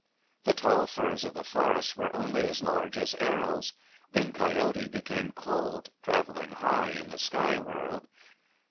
The tall firs of the forest were only as large as arrows. Then Coyote became cold, travelling high in the sky world.